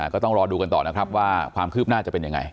ก็ต้องรอดูกันต่อนะครับว่าความคืบหน้าจะเป็นยังไง